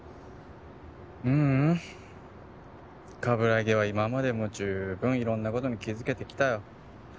ううん鏑木は今までも十分色んなことに気づけてきたよ